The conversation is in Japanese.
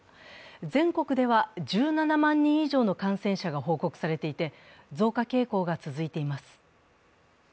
全国では１７万人以上の感染者が報告されていて、増加傾向が続いています。